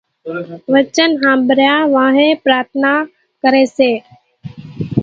وچن ۿنڀرايا وانھين پرارٿنا ڪري سي